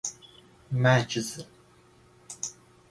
مجز